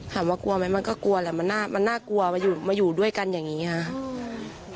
กลัวไหมมันก็กลัวแหละมันน่ากลัวมาอยู่ด้วยกันอย่างนี้ค่ะ